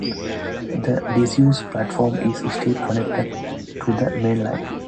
This disused platform is still connected to the main line.